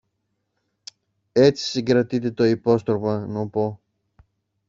Έτσι, συγκρατείται το υπόστρωμα νωπό.